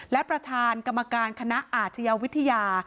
และประธานกรรมการคณะอาชญาวิทยา